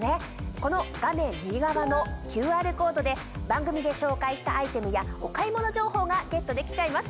この画面右側のＱＲコードで番組で紹介したアイテムやお買い物情報がゲットできちゃいます。